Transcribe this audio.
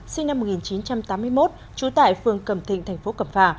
sinh năm một nghìn chín trăm tám mươi một trú tại phường cẩm thịnh thành phố cẩm phả